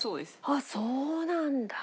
あっそうなんだ。